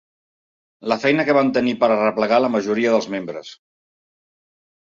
La feina que van tenir per arreplegar la majoria dels membres.